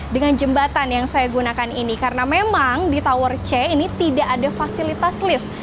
dengan jembatan yang saya gunakan ini karena memang di tower c ini tidak ada fasilitas lift